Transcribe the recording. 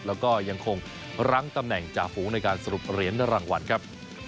แล้วก็ยังคงรั้งตำแหน่งจ่าฝูงในการสรุปเหรียญรางวัลครับ